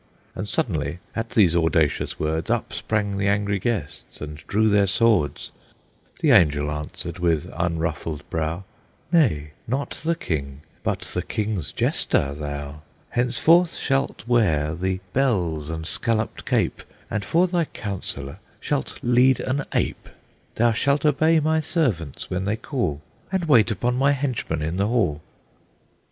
And suddenly, at these audacious words, Up sprang the angry guests, and drew their swords; The Angel answered, with unruffled brow, "Nay, not the King, but the King's Jester, thou Henceforth shalt wear the bells and scalloped cape, And for thy counsellor shalt lead an ape; Thou shalt obey my servants when they call, And wait upon my henchmen in the hall!"